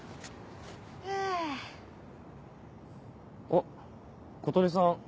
あっ小鳥さん